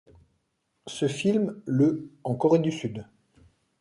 Ce film le en Corée du Sud.